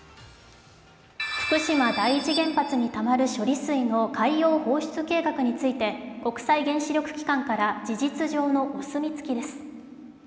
福島第一原発にたまる処理水の海洋放出計画について国際原子力機関から事実上のお墨付きです。